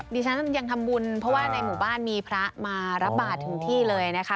ดิฉันยังทำบุญเพราะว่าในหมู่บ้านมีพระมารับบาทถึงที่เลยนะคะ